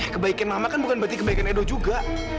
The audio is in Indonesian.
kebaikan mama kan bukan berarti kebaikan edo juga